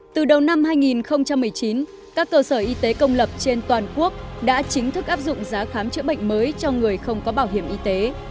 từ đầu năm hai nghìn một mươi chín các cơ sở y tế công lập trên toàn quốc đã chính thức áp dụng giá khám chữa bệnh mới cho người không có bảo hiểm y tế